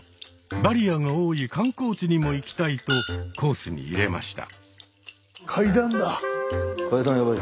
バリアが多い観光地にも行きたいとコースに入れました。